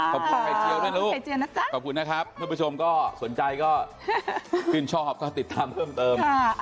ขอบคุณค่ะไข่เจียวด้วยลูกไข่เจียวนะจ๊ะขอบคุณนะครับเพื่อนผู้ชมก็สนใจก็ชื่นชอบก็ติดตามเพิ่มเติม